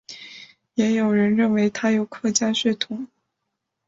也有人认为他有客家血统。